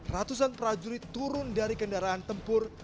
ratusan prajurit turun dari kendaraan tempur